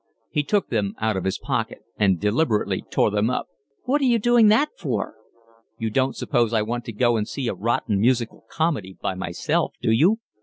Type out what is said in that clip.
He took them out of his pocket and deliberately tore them up. "What are you doing that for?" "You don't suppose I want to go and see a rotten musical comedy by myself, do you?